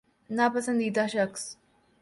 نا پسندیدہ شخص